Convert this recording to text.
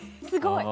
すごい！